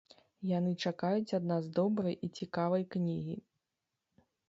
Яны чакаюць ад нас добрай і цікавай кнігі.